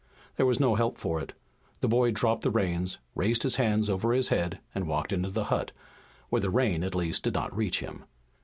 There was no help for it. The boy dropped the reins, raised his hands over his head and walked into the hut, where the rain at least did not reach him.